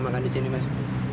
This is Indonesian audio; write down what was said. untuk makan disini mas